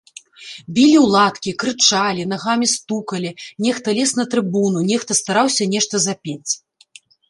Білі ў ладкі, крычалі, нагамі стукалі, нехта лез на трыбуну, нехта стараўся нешта запець.